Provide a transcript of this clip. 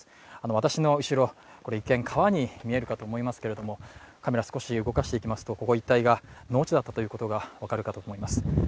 私の後ろ、一見、川に見えるかもしれませんけれどカメラ少し動かしていきますとここ一帯が農地だったということが分かると思います。